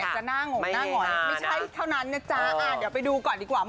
เอาอ้าวเดี๋ยวไปดูก่อนดีกว่า